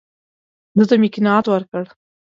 ده ته مې قناعت ورکړ.